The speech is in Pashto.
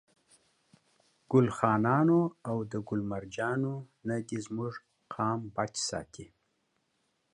ګل خانانو او ده ګل مرجانو نه دي زموږ قام بچ ساتي.